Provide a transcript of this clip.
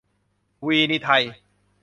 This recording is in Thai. วีนิไทย